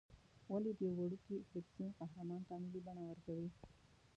ولې د یوه وړوکي فرکسیون قهرمان ته ملي بڼه ورکوې.